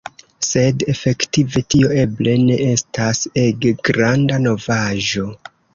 Sed efektive tio eble ne estas ege granda novaĵo.